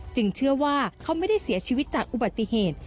เชื่อว่าเขาไม่ได้เสียชีวิตจากอุบัติเหตุ